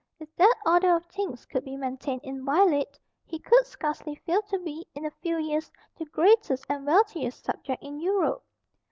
If that order of things could be maintained inviolate, he could scarcely fail to be, in a few years, the greatest and wealthiest subject in Europe.